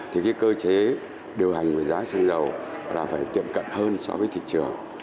thì cơ chế điều hành với giá xăng dầu là phải tiệm cận hơn so với thị trường